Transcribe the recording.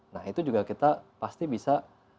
nah itu juga kita pasti bisa